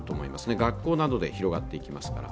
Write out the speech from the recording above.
学校などで広がっていきますから。